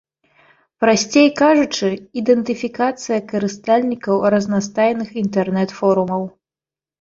Прасцей кажучы, ідэнтыфікацыя карыстальнікаў разнастайных інтэрнэт-форумаў.